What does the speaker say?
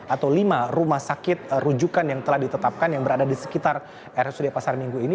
atau lima rumah sakit rujukan yang telah ditetapkan yang berada di sekitar rsud pasar minggu ini